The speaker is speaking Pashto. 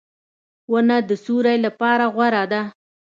• ونه د سیوری لپاره غوره ده.